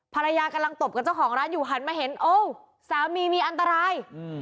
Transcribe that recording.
ภรรยากำลังตบกับเจ้าของร้านอยู่หันมาเห็นโอ้สามีมีอันตราย